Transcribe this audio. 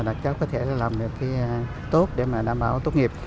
là cháu có thể làm được tốt để mà đảm bảo tốt nghiệp